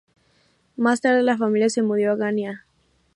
Más tarde la familia se mudó a Ganyá.